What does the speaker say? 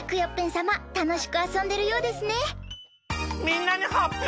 さまたのしくあそんでるようですね。